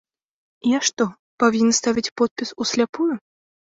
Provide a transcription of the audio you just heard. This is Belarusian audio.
Я што, павінен ставіць подпіс усляпую?